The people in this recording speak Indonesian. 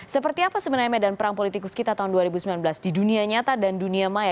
seperti apa sebenarnya medan perang politikus kita tahun dua ribu sembilan belas di dunia nyata dan dunia maya